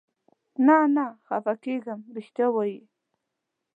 نه، نه خفه کېږم، رښتیا وایې؟